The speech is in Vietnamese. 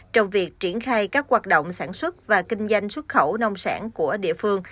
trong việc triển khai các hoạt động sản xuất và kinh doanh xuất khẩu nông sản của địa phương